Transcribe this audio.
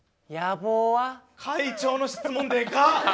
会長の質問でかっ！